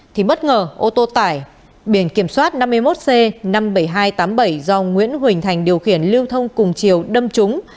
thì bất ngờ ô tô tải biển kiểm soát năm mươi một c năm mươi bảy nghìn hai trăm tám mươi bảy do nguyễn huỳnh thành điều khiển lưu thông cùng chiều đâm trúng